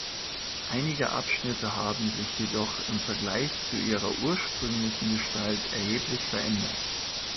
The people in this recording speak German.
Einige Abschnitte haben sich jedoch im Vergleich zu ihrer ursprünglichen Gestalt erheblich verändert.